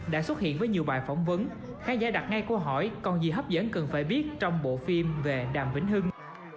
đã xuất hiện với nhiều bài phỏng vấn khán giả đặt ngay câu hỏi còn gì hấp dẫn cần phải biết trong bộ phim về đàm vĩnh hưng